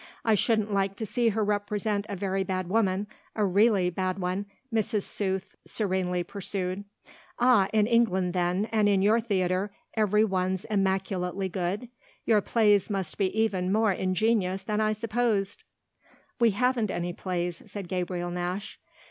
"I shouldn't like to see her represent a very bad woman a really bad one," Mrs. Rooth serenely pursued. "Ah in England then, and in your theatre, every one's immaculately good? Your plays must be even more ingenious than I supposed!" "We haven't any plays," said Gabriel Nash.